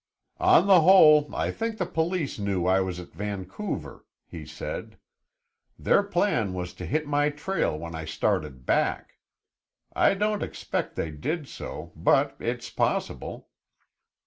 "On the whole, I think the police knew I was at Vancouver," he said. "Their plan was to hit my trail when I started back. I don't expect they did so, but it's possible.